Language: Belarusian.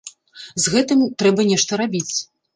З гэтым трэба нешта рабіць.